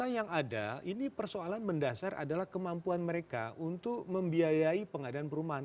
karena memang sekali lagi fakta yang ada ini persoalan mendasar adalah kemampuan mereka untuk membiayai pengadaan perumahan